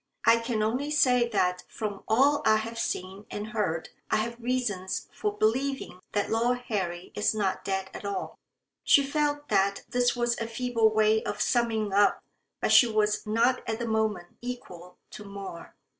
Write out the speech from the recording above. "I can only say that from all I have seen and heard I have reasons for believing that Lord Harry is not dead at all." She felt that this was a feeble way of summing up, but she was not at the moment equal to more.